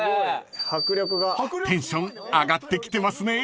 ［テンション上がってきてますね］